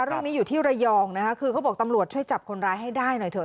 เรื่องนี้อยู่ที่ระยองนะคะคือเขาบอกตำรวจช่วยจับคนร้ายให้ได้หน่อยเถอ